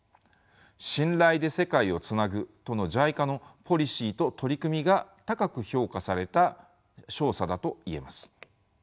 信頼で世界をつなぐとのＪＩＣＡのポリシーと取り組みが高く評価された証左だと言えます。